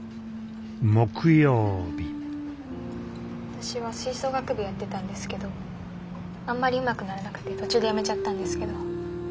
私は吹奏楽部やってたんですけどあんまりうまくならなくて途中でやめちゃったんですけど。